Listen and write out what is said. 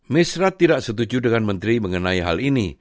ms rath tidak setuju dengan menteri mengenai hal ini